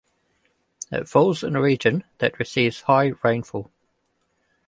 It falls in a region that receives high rainfall.